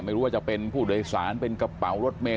ไม่รู้ว่าจะเป็นผู้โดยสารเป็นกระเป๋ารถเมย